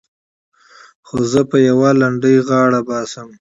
خو زه په يوه لنډۍ غاړه باسم.